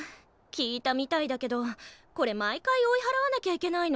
効いたみたいだけどこれ毎回追いはらわなきゃいけないの？